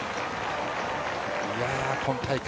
今大会